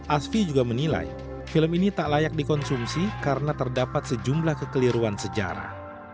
asfi juga menilai film ini tak layak dikonsumsi karena terdapat sejumlah kekeliruan sejarah